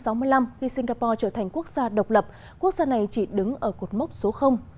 năm một nghìn chín trăm sáu mươi năm khi singapore trở thành quốc gia độc lập quốc gia này chỉ đứng ở cột mốc số